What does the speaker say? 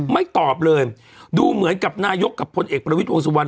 ไม่ตอบเลยดูเหมือนกับนายกกับพลเอกประวิทยวงสุวรร